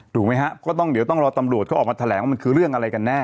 ถูกไหมฮะก็ต้องเดี๋ยวต้องรอตำรวจเขาออกมาแถลงว่ามันคือเรื่องอะไรกันแน่